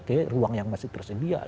ke ruang yang masih tersedia